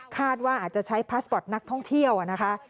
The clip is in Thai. คาดว่าอาจจะใช้พาสปอร์ตนักท่องเที่ยวนะคะ